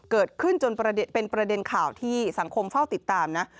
จนเป็นประเด็นข่าวที่สังคมเฝ้าติดตามนะ